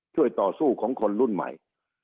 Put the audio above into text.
ช่วยต่อสู้ของคนรุ่นใหม่